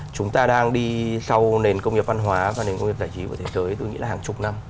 chúng ta đang đi sau nền công nghiệp văn hóa và nền công nghiệp giải trí của thế giới tôi nghĩ là hàng chục năm